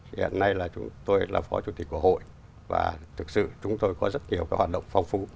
hiện nay tôi là phó chủ tịch của hội và thực sự chúng tôi có rất nhiều hoạt động phong phú